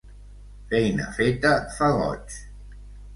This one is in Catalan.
Feina feta fa goig.